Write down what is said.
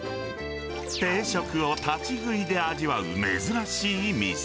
定食を立ち食いで味わう珍しい店。